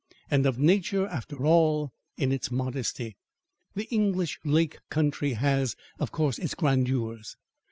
And of nature, after all, in its modesty. The English lake country has, of course, its grandeurs.